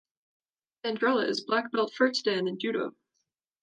Andrulla is Black Belt First Dan in Judo.